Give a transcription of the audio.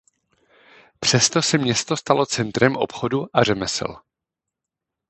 Přesto se město stalo centrem obchodu a řemesel.